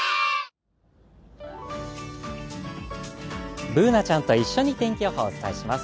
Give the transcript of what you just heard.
Ｂｏｏｎａちゃんと一緒に天気予報をお伝えします。